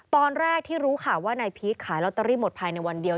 ตอนแรกที่รู้ข่าวว่านายพีชขายลอตเตอรี่หมดภายในวันเดียว